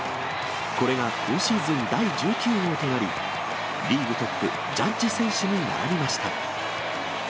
これが今シーズン第１９号となり、リーグトップ、ジャッジ選手に並びました。